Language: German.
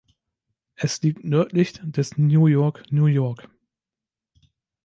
Es liegt nördlich des New York New York.